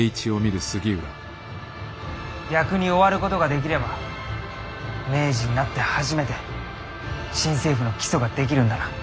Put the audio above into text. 逆に終わることができれば明治になって初めて新政府の基礎が出来るんだな？